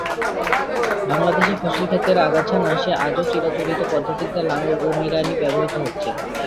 বাংলাদেশে ফসল ক্ষেতের আগাছা নাশে আজও চিরাচরিত পদ্ধতিতে লাঙল এবং নিড়ানি ব্যবহূত হচ্ছে।